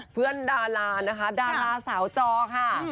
เพื่อนดารานะคะดาราสาวจอค่ะ